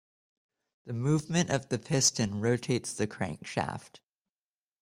The movement of the piston rotates the crank shaft.